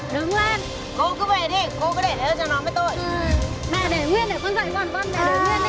đấy bước tay để về